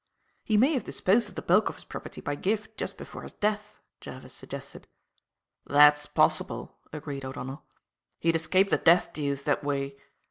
"He may have disposed of the bulk of his property by gift just before his death," Jervis suggested. "That's possible," agreed O'Donnell. "He'd escape the death dues that way.